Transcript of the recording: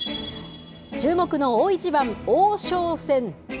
注目の大一番、王将戦。